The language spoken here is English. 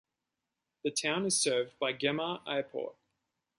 The town is served by Guemar Airport.